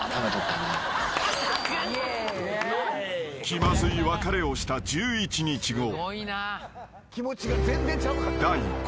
［気まずい別れをした１１日後］